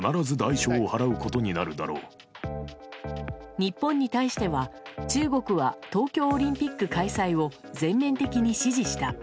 日本に対しては中国は東京オリンピック開催を全面的に支持した。